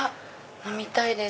飲みたいです。